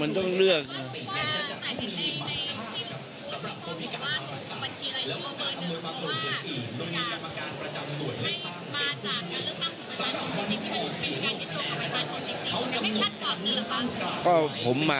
อันนี้จะต้องจับเบอร์เพื่อที่จะแข่งกันแล้วคุณละครับ